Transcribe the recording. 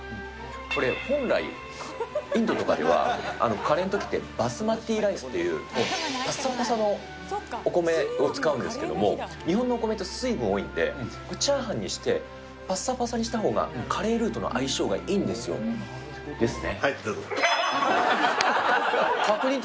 これ、本来、インドとかではカレーのときってバスマティライスっていうぱさぱさのお米を使うんですけど、日本のお米って水分多いんで、チャーハンにしてぱさぱさにしたほうがカレールーとの相性がいいんですよ。ですよね。